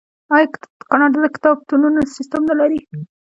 آیا کاناډا د کتابتونونو سیستم نلري؟